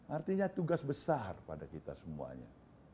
artinya tugas besar pada kita semuanya